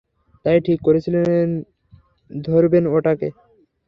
তাই ঠিক করেছিলেন ধরবেন ওটাকে।